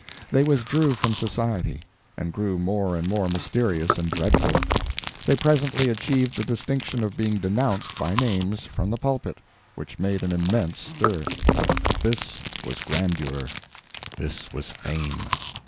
They withdrew from society, and grew more and more mysterious and dreadful. They presently achieved the distinction of being denounced by names from the pulpit—which made an immense stir! This was grandeur, this was fame.